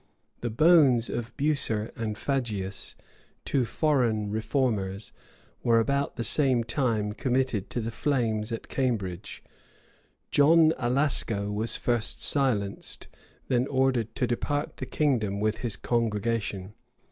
[] The bones of Bucer and Fagius, two foreign reformers, were about the same time committed to the flames at Cambridge.[] John Alasco was first silenced, then ordered to depart the kingdom with his congregation.